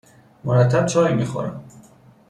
مرتب چای میخورم